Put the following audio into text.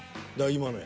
今のや。